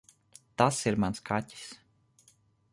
Tas ir mans kaķis.